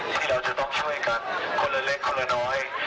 ที่เราจะต้องช่วยกันคนละเล็กคนละน้อย